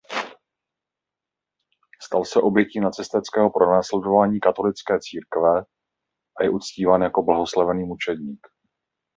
Stal se obětí nacistického pronásledování katolické církve a je uctíván jako blahoslavený mučedník.